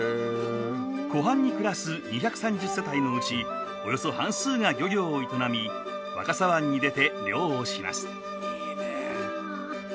湖畔に暮らす２３０世帯のうちおよそ半数が漁業を営み若狭湾に出て漁をします。